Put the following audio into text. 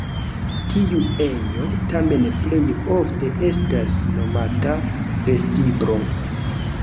Tiu ejo tamen plej ofte estas nomata vestiblo.